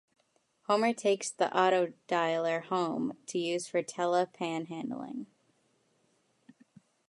Homer takes the autodialer home to use for tele-panhandling.